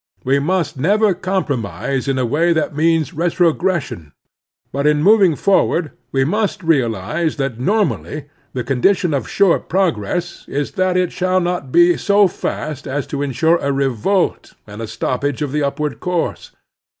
We must never compromise in a way that means retrogression. But in moving forward we must realize that normally the condition of sure prog ress is that it shall not be so fast as to insure a revolt and a stoppage of the upward course.